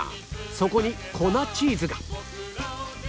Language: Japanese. そこに粉チーズが